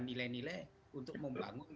nilai nilai untuk membangun